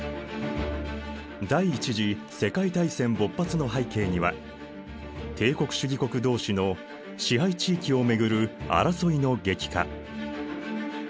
第一次世界大戦勃発の背景には帝国主義国同士の支配地域をめぐる争いの激化